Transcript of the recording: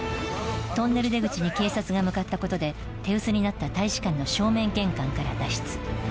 トンネル出口に警察が向かったことで手薄になった大使館の正面玄関から脱出